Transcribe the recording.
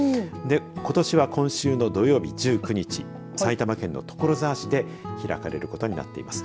ことしは今週の土曜日１９日埼玉県の所沢市で開かれることになっています。